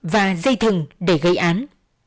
và dây thừng để gây án